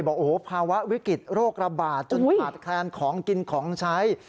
บอกโอ้โหภาวะวิกฤตโรคระบาดจนขาดแคลนของกินของใช้